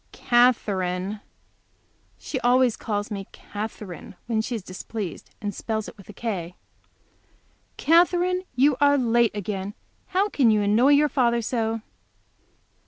"Katherine" (she always calls me Katherine when she is displeased, and spells it with a K), "Katherine, you are late again; how can you annoy your father so?"